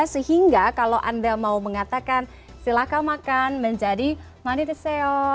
sehingga kalau anda mau mengatakan silakan makan menjadi maniteseo